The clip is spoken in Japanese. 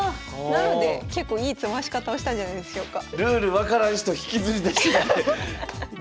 なので結構いい詰まし方をしたんじゃないでしょうか。